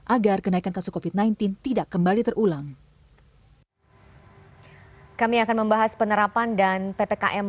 agar kenaikan kasus covid sembilan belas tidak kembali terulang kami akan membahas penerapan dan ppkm